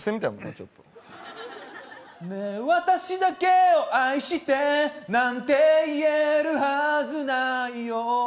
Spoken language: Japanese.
ちょっとねえ私だけを愛してなんて言えるはずないよ